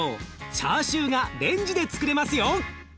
チャーシューがレンジでつくれますよ。